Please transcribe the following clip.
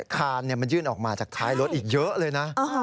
คานมันยื่นออกมาจากท้ายรถอีกเยอะเลยนะ